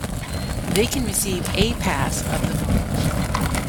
They can receive a pass of the ball.